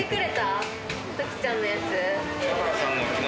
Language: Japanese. トキちゃんのやつ。